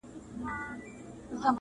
له پیشو یې ورته جوړه ښه نجلۍ کړه؛